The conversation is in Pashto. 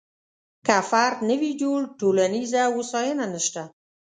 که فرد نه وي جوړ، ټولنیزه هوساینه نشته.